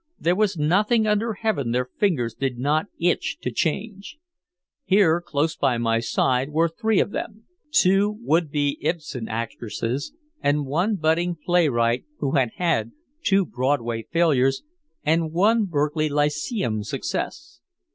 There was nothing under heaven their fingers did not itch to change. Here close by my side were three of them, two would be Ibsen actresses and one budding playwright who had had two Broadway failures and one Berkeley Lyceum success.